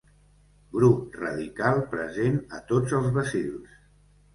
Grup radical present a tots els bacils.